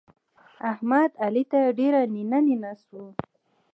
احمد؛ علي ته ډېر نينه نينه سو.